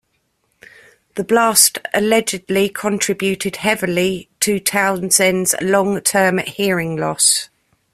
The blast allegedly contributed heavily to Townshend's long-term hearing loss.